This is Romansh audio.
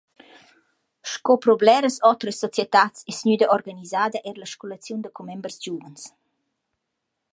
Sco pro bleras otras societats es gnüda organisada eir la scolaziun da commembers giuvens.